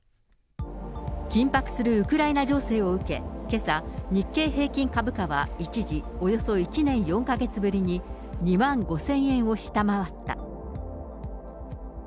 緊迫するウクライナ情勢を受け、けさ、日経平均株価は一時およそ１年４か月ぶりに２万５０００円を下回った。